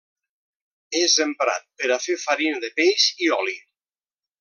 És emprat per a fer farina de peix i oli.